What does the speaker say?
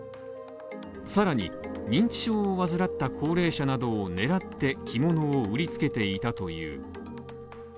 さらに、認知症を患った高齢者などを狙って着物を売りつけていたという。